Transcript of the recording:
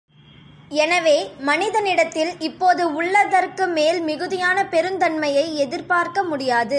எனவே, மனிதனிடத்தில் இப்போது உள்ளதற்கு மேல் மிகுதியான பெருந்தன்மையை எதிர்பார்க்க முடியாது.